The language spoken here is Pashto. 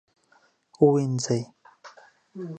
ووینځئ